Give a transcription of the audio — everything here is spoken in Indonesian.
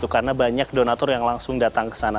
karena banyak donator yang langsung datang ke sana